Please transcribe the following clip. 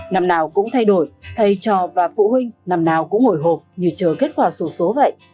năm nào cũng thay đổi thầy trò và phụ huynh năm nào cũng ngồi hộp như chờ kết quả sổ sổ